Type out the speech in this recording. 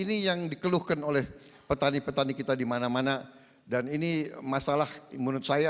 ini yang dikeluhkan oleh petani petani kita dimana mana dan ini masalah menurut saya